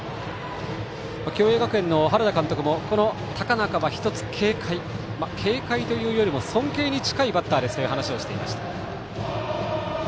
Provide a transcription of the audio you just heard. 共栄学園の原田監督も高中は警戒というよりも尊敬に近いバッターですと話していました。